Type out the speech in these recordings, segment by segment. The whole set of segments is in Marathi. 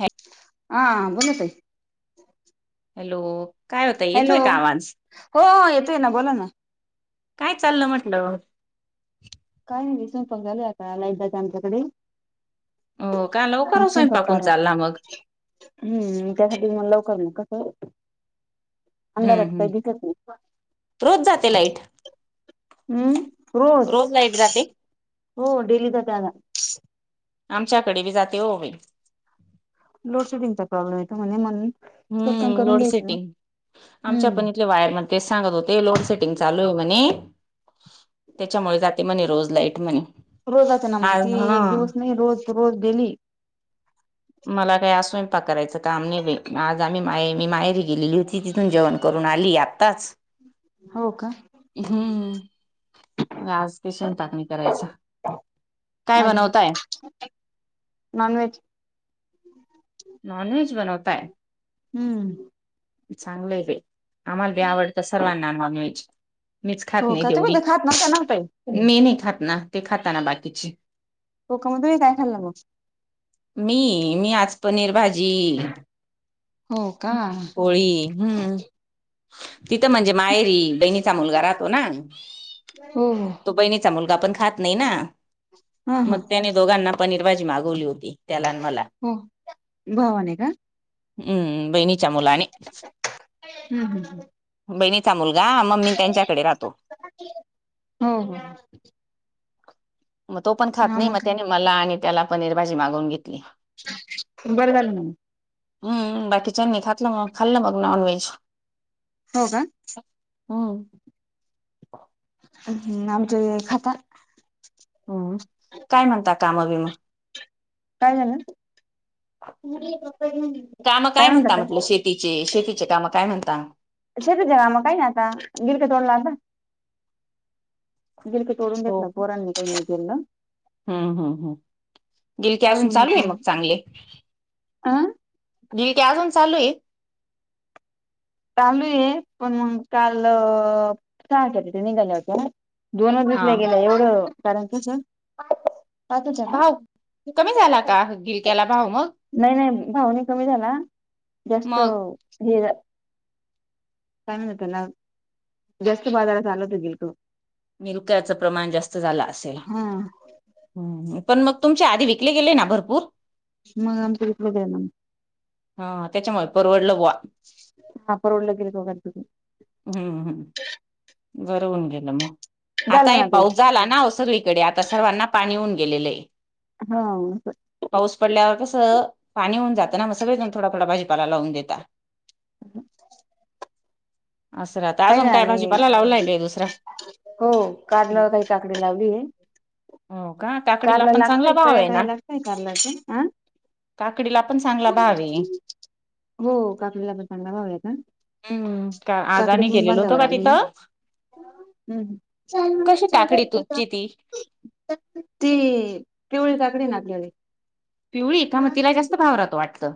हॅ हा बोला ताई हॅलो! काय होता हॅलो, येतोय का आवाज हो येतोय ना बोला ना काय चाललं म्हटलं. काय नाही स्वंयपाक चालूय आता लाईट जाते आमच्याकडे हो का, मग लवकर स्वयंपाक हून करा चालला मग हम्म त्यासाठी म लवकर म कसं हम्म अंधारात काही हम्म, दिसत नाही रोज जाते लाईट. हम्म रोज लाईट जाते हो डेली जाते याला आमच्याकडे बी जाते वो बाई लोड शेडिंगचा प्रॉब्लेम आहे म्हणेे म हम्म लोड सेटिंग आमच्या प हम्म वायर मण तेच सांगत होते. लोड सेटिंग चालू आहे म्हणे त्याच्यामुळे जाते म्हणे रोज लाईट म्हणे रोज जाते ना मग आज ती हा एक दिवस नाही रोज रोज डेली.. मला काय आज स्वयंपाक करायचं काम नाही आज आम्ही माय मी माहेरी गेलेली होती. तीतून जेवण करून आली आत्ताच.. हो का, हम्म मग आज काय स्वयपाक नाही करायचा. काय आज बनवताय नॉनवेज. नॉन वेज बनवताय. हम्म चांगलंय बाई आम्हाला बी आवडतं सर्वांना नॉनवेज मीच खात हो नाही का तुम्ही तेवढी तर खात नव्हता ना ताई मी नाही खात ना ते खाताना बाकीची होका तुम्ही काय खाल्लं मग. मी मी आज पनीर भाजी हो का, पोळी हम्म. तिथं म्हणजे माहेरी बहिणीचा मुलगा राहतो ना, हो हो तो बहिणीचा मुलगा पण खात नाही ना, हा हा मग त्याने दोघांना पनीरभाजी मागवली होती. त्याला न मला हो भावाने का हम्म बहिणीच्या मुलाने हम् हम् ह् बहिणीचा मुलगा मम्मी त्यांच्याकडे राहतो हो, हो मग तो पण खात नाही मग त्याने मला आणि त्याला पनीर भाजी मागवून घेतली. बरं झालं ना मग हम्म बाकीच्या नी खातलं मग खाल्लं मग नॉन व्हेज हो का. हम्म [unintelligible] आमचे हे खातात. हो काय म्हणता काम बीम. काय झालं. काम काय म्हणता म्हटलं शेतीचे शेतीचे काम काय म्हणता. शेतीचे काम काही नाही आता गिरक तोडल आता. गीरक तोडून हो घेतल पोरांनी क हे केलेल. हम्म हम्म हम् गिरक्या अजून चालू आहे मग चांगले. आं. [unintelligible] ते अजून चालू आहे चालू आहे पण मग काल चार पेट्या निघाल्या होत्या ना. दोनच हा विकले गेल्या एवढं कारण कस भाव कमी झाला का गिरक्याला भाव मग. नाही नाही भाव नई कमी झाला जास्त मग हे झा काय म्हणत्यात त्याला जास्त बाजारात आलं ते गिलक. गिल्क्याचं प्रमाण जास्त झालं असेल. हा ह पण मग तुमचे आधी विकले गेले ना भरपूर. मग आमच्या इकड द्या ना. हा त्याच्यामुळे परवडलं बा. ह परवडलं गेलं दोघांचं बी. हम्म हम् बरंहून गेलं मग आता झालं ना एक ते पाऊस झाला ना सगळी कडे आता सर्वांना पाणी होऊन गेलेलं हे. हा. पाऊस पडल्यावर कसं पाणी होऊन जातं ना म सगळेकड थोडा थोडा भाजीपाला लावून देेता. [unintelligible] असल आता काही अजून नाही काय आणि भाजीपाला लावला आहे काय दुसरा. हो कारलं काही काकडी लावली हे. हो का. काकडीला कारला पण चांगला लागतय भाव कळ्या आहे ना कळ्या लागतय कारल्याचं हा. काकडीला पण चांगला भाव आहे. हो काकडीला पण चांगला भावा यायचा. हम्म का आज आणि गेलेलो होतो का आली तिथं. हम्म हम्म कशी काकडी तुमची [unintelligible] ती? ती पिवळी काकडी ना आपल्याले पिवळी का मग तिला जास्त भाव राहतो वाटतं.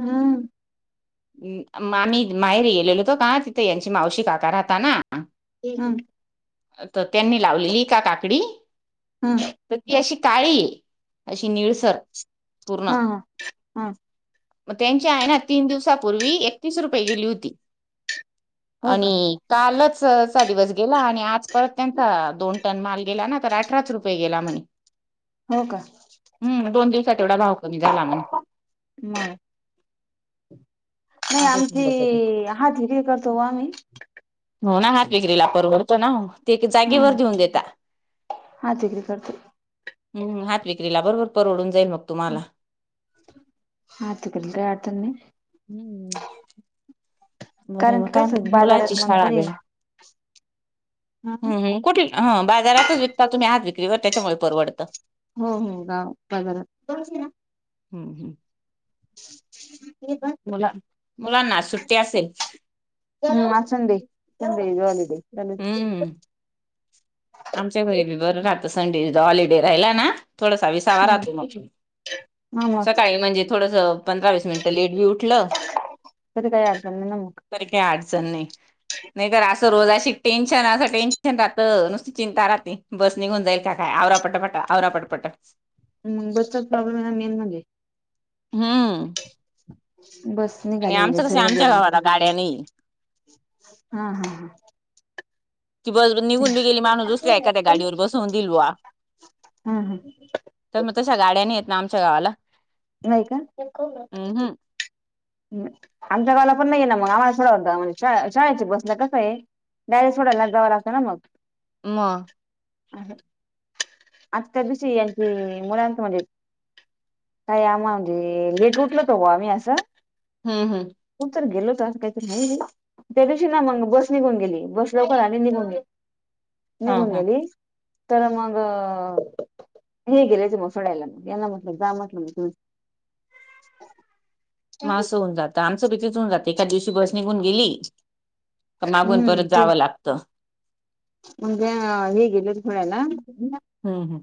हम्म. म आम्ही माहेर गेलेलो होतो का तिथ यांची मावशी काका राहता ना. ह तर त्यांनी लावलेली का काकडी. हम्म. तर ती अशी काळी अशी निळसर पूर्ण. हा हा हा मग त्यांची आहे ना तीन दिवसापूर्वी एकतीस रुपये गेली होती. हो का आणि कालच चा दिवस गेला आणि आज परत त्यांचा दोन टन माल गेला ना तर अठराच रुपये गेला म्हणे. हो का हम्म दोन दिवसात एवढा भाव कमी झाला म्हणे. मग. नाही असंच आमची म्हणत होते. हजरी करतो ओ आम्ही. हो ना हात विक्रीला परवडतो ना हो ते एक हा जागेवर देऊन देता. हात विक्री करतोय. हम्म हात विक्रीला बरोबर परवडून जाईल मग तुम्हाला. [unintelligible] हम्म. बर कारण मग की काय कसं म्हण मुलांची बाजारात मग शाळा कोणी बई हा हम्म कधी ह बाजारातच विकता तुम्ही हात विक्री व त्याच्यामुळे परवडतं. हो हो बा बाजारात. हम्म हम्म. ते बघ. मु मुलांना आज सुट्टी असेल. हो आज सेंड सेंड हॉलिडे. चालेल हम्म. आमच्या घरी बीर रातं संडे हॉलिडे राहिला ना थोडासा वि तावा हा राहतो मग मग सकाळी म्हणजे थोड पंरास मिन लेट भी उठलं तरी काही अडचण नाही ना मग तरी काय अडचण नाही नाही तर असं रोजाशी टेन्शन असं टेन्शन राहतं नुस चिंता राहते बस निघून जाईल काय आवरा पटपट आवरा पटपट. ग [unintelligible] बस्चा प्रॉ्लेम आहे ना मेन म्हणजे. हम्म. बस आणि निघाली म्हणजे आमचं कसं सर्व आमच्या गेलं गावाला गाड्या मग नाही हा हा हा. ती बस निघून बी गेली माणूस दुसऱ्या हा एखाद्या गाडीवर बसवून भी घील बॉ. हा हा तर मग तश्या गाड्या नाही येत ना आमच्या गावाला. नाही का? हम्म आमच्या गावाला पण नाहीये ना मग आम्हाला सोडावं लागत शाळेच्या बसला कसं ये डायरेक्ट सोडायला जावं लागत ना मग. म. आहे, आजच्या दिवशी यांचे मुलात म्हणजे तवा म्हणजे लेट उठलो होतो आम्ही असं हम्म हम्म. कोणीतरी गेलो होतो असं काहीतरी आहे ना. त्या दिवशी ना मग बस निघून गेली, बस लवकर आणि निघून गेली, हा निघून हा गेली तर मग, हे गेले होते मग सोडायला, यांना म्हटल जा म्हटले मग. हम्म. म आस होऊन जातात एखाद दिवशी बस निघून गेली पण मागून परत जावं लागत. मंग ह्या हे गेलेत सोडायला. हम्म हम्म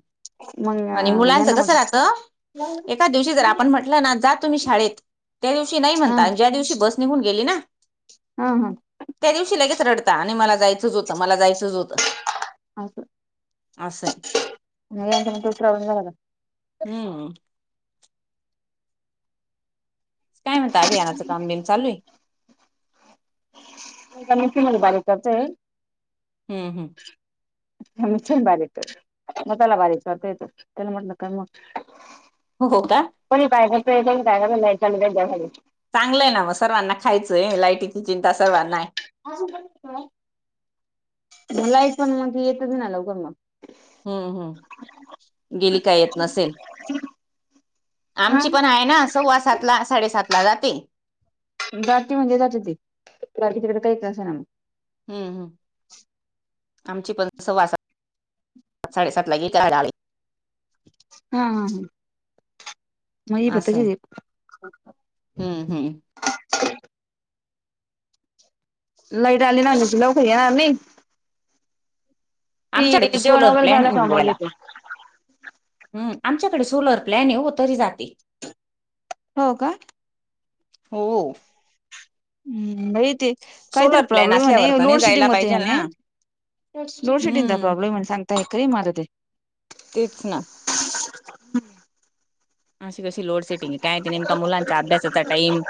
मग आणि मुलांचं यांना कसं राहतं म्हटलं एका दिवशी जर आपण म्हटलं ना जा तुम्ही शाळेत त्या दिवशी नाही हा म्हणता ज्या दिवशी बस निघून गेली ना हा हा. त्या दिवशी लगेच रडता आणि मला जायचंच होतं मला जायचंच होतं. असं असंय नाहींत तो प्रॉब्लेम झाला होता. हम्म. काय म्हणता अभियानाच कामबीम चालूये. एका मिक्सी मध्ये बारीक करतोय. हम्म हम्म. आणखीन बारीक कर मसाला बारीक करते ती तिला म्हटल कर मग हो का. कोणी काय करतय कोण काय करतय [unintelligible] चांगलंय ना मग सर्वांना खायचंय लायटीची चिंता सर्वांना ये. [unintelligible] बोलायचं ना मग येतच ना लवकर मग हम्म हम्म गेली का येत नसेल. आमची पण हाय ना, सव्वा सातला साडेसातला जाते. जाती म्हणजे जाते ती, जाते तिकडे काही का असेना मग हूं हम्म, आमची पण सव्वा सात साडेसातला येत्यात गावे हा हा हा, म ही पण तसीचं ए हूं हूं [inaudible] लाईट आली ना, नायतर लवकर यणार नई आमच्याकडे तो जेवण सोलर वगैरे प्लॅन झालं का मग निंबोला येते. हं, आमच्याकडे सोलर प्लॅन ए ओ, तरी जाते. हो का हो. हम्म, बाई ते कायतरी सोलर प्लॅन प्रॉब्लेम म्हणे असल्यावर तर नाही लोड जायला शेडिंग होते पाहिजेल म्हणे, ना. लोड शेडिंगचा हम्म. प्रॉब्लेम ए म्हणुन सांग तय कई मादत ये तेच ना अशी कशी लोड सेटिंग ए, काय ते नेमका मुलांचा अभ्यासाचा टाईम,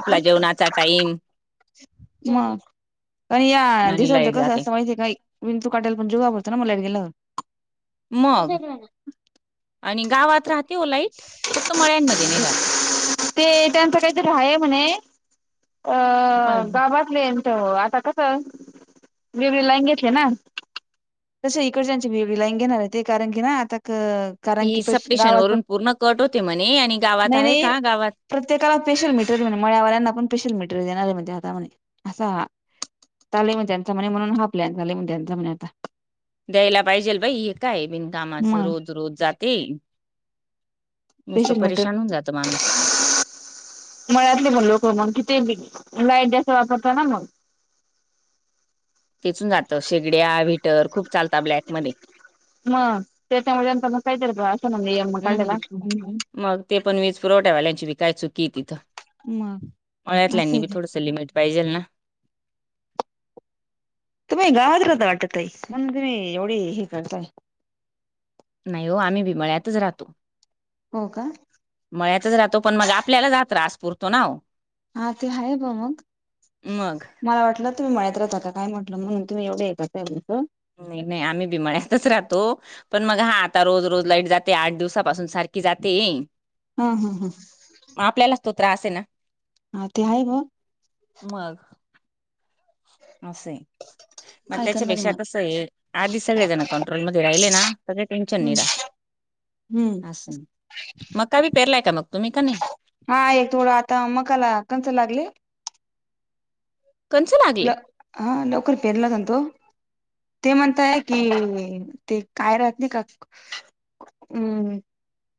आपला जेवणाचा टाईम म आणि या आणि दिसांचं लाईट कसं जाते असत माहितीय काय विंचू काटल्या पण जीव घाबरतो ना मग लाईट गेल्यावर मग आणि गावात राहते ओ लाईट फक्त मळ्यांमध्ये नाही राहत. ते त्यांचं कायतरी हाये म्हणे, अ पण गावात पेलेंचं आता कस वेगळी लाईन घेतले ना तस इकडच्याची बी वेगळी लाईन घेणार आहे ते कारण की ना आता क ही सप्टेशन वरून पूर्ण कट होते म्हणे आणि गावात नाही आहे नाही का गावात प्रत्येकाला स्पेशल मीटरये म्हणे मळवाल्यांना पण स्पेशल मीटर देणार ये म्हणे आता म्हणे आसा चालु ये म्हण त्यांचा म्हणे म्हणून हा प्लॅन चालु ये म्हणून त्यांचा म्हणे आता दयायला पाहिजेल बाई हे काय ये बिन कामाच मग रोज रोज जाते. नुसतं पेशल मीटर परेशान होऊन जातं माणूस. मळ्यातली पण लोक मंग किती बी लाईट जास्त वापरता ना मंग खेचुन जातं शेगड्या व्हीटर खूप चालता ब्लॅक मध्ये म त्याच्यामुळे त्यांचापण कायतरी प असं ना म य हम्म हम् हम् मग ते पण वीज पुरवठ्यावाल्यांची बी काय चुकीये तिथं मग असं मळ्यातळ्यांनी आहे बी ते थोडस लिमिट पाहिजेल ना तुम्ही गावात राहता वाटत ताई, म्हणून तुम्ही एवढी हे करताय. नाय ओ, आम्ही बी मळ्यातच राहतो. हो का. मळ्यातच राहतो पण मग आपल्यालाचं हा त्रास पुरतो नाओ हा ते हायेच म मंग मग मला वाटलं तुम्ही मळ्यात राता का काय म्हटलं म्हणून तुम्ही एवढ हे करताय म्हटलं नाय नाय आम्ही बी मळ्यातच राहतो. पण मग हा आता रोज रोज लाईट जाते आठ दिवसापासून सारखी जाते. हा ह ह. मं आपल्यालाच तो त्रास ये ना हा ते हाय बघ मग असय मग काय त्याच्यापेक्षा कसं ये आधीचं सगळे जण कंट्रोलमध्ये राहिले ना त ते टेन्शन हम्म नाय राहत. हम्म असंय मका बी पेरलाय का मग तुम्ही का नाय? हा एक थोडं आता मकाला कंणस लागली. कंणस लागली. ल हा लवकर पेरला होता ना तो ते म्हणताय की ते काय राहत नाही का हम्म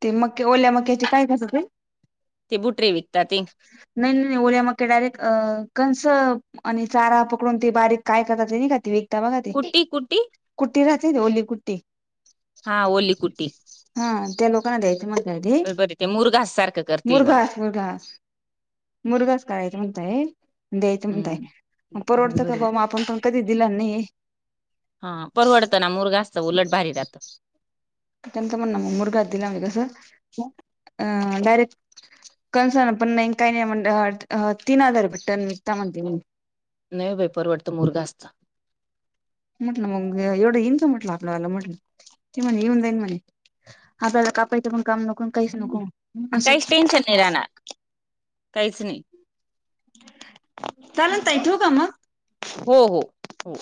ते मक ओल्या मक्याचे काय कसं ते [unintelligible] नाही नाही नाही ओडि म ायरेक्ट अ कणस आणि चारा पकडून ते बारीक काय करतात खात एकदा बघा ते कुट्टी कुट्टी कुट्टी राच ओली कुट्टी हा ओली कुटी हा त्या लोकांना द्यायचे मझधी बरोबर ते मुरघास सारखं करतील मग मुरघास मुरघास मुलगाच कराायचा म्हणतय द्यायचं म्हणताय हम्म परवडतं का बरोबर बा म आपण पण कधी दिला नाही हा परवडतं ना मुरगा असत उलट भारी राहतं [inaudible] त्यांच म्हण मग मुरगा दिलावली कसं अ डायरेक्ट कणस ना पण नाही काही नाही म्हण तीन हजार भेट्टनघता म्हण न बाई परवडतो मुलगा असत म्हटलं मग एवढं येईनच म्हटलं आपल्या वाला म्हटलं ते म्हणे येऊन जाईन म्हणे आपल्याला कापायचं पण काम नको काहीच नको असं काहीच टेन्शन नाही राहणार काहीच नाही चालता य ठेव का मग हो हो हो